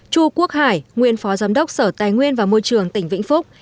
chu quốc hải nguyên phó giám đốc sở tài nguyên và môi trường tỉnh vĩnh phúc